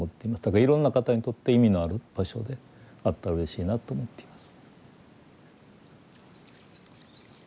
いろんな方にとって意味のある場所であったらうれしいなと思っています。